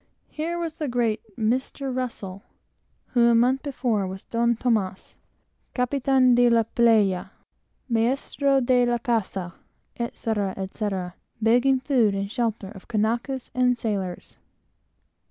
Here was the great Mr. Russell, who a month before was "Don Tomàs," "Capitán de la playa," "Maéstro de la casa," etc., etc., begging food and shelter of Kanakas and sailors.